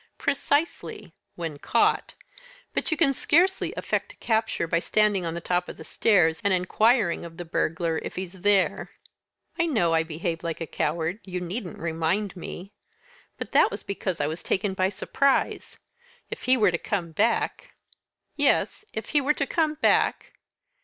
"Precisely when caught. But you can scarcely effect a capture by standing on the top of the stairs, and inquiring of the burglar if he's there." "I know I behaved like a coward you needn't remind me. But that was because I was taken by surprise. If he were to come back " "Yes if he were to come back?"